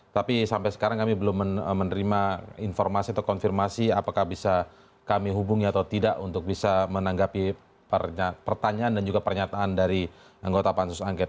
tapi sampai sekarang kami belum menerima informasi atau konfirmasi apakah bisa kami hubungi atau tidak untuk bisa menanggapi pertanyaan dan juga pernyataan dari anggota pansus angket